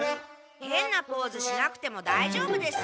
へんなポーズしなくてもだいじょうぶです。